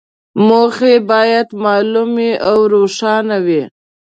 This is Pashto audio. موخې باید معلومې او روښانه وي.